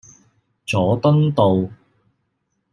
佐敦道